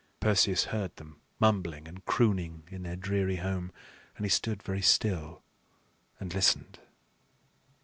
Perseus heard them mumbling and crooning in their dreary home, and he stood very still and listened.